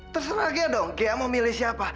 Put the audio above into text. terserah gek dong gek mau milih siapa